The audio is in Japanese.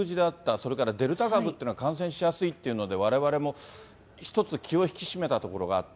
それからデルタ株っていうのは感染しやすいっていうので、われわれも一つ、気を引き締めたところがあった。